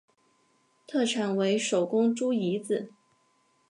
特产为手工猪胰子。